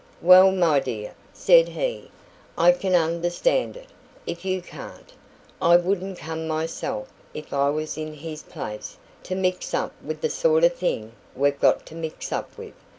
"Well, my dear," said he, "I can understand it, if you can't. I wouldn't come myself, if I was in his place, to mix up with the sort of thing we've got to mix up with."